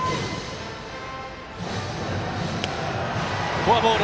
フォアボール。